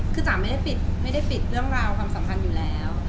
คือจ๋าไม่ได้ปิดเรื่องราวความสำคัญอยู่แล้ว